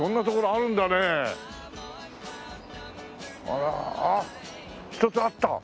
あらあっ１つあった！